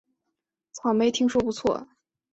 草莓听说不错